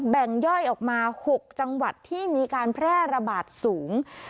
ย่อยออกมา๖จังหวัดที่มีการแพร่ระบาดสูง